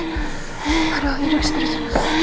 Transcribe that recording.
aduh yuk duduk duduk duduk